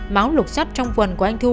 mão lục sắt trong quần của anh thu